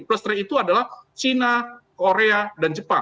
plestri itu adalah china korea dan jepang